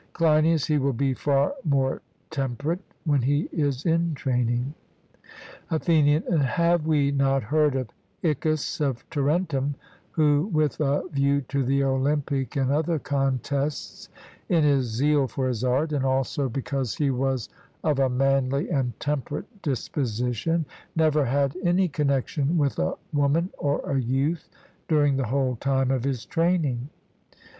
CLEINIAS: He will be far more temperate when he is in training. ATHENIAN: And have we not heard of Iccus of Tarentum, who, with a view to the Olympic and other contests, in his zeal for his art, and also because he was of a manly and temperate disposition, never had any connexion with a woman or a youth during the whole time of his training?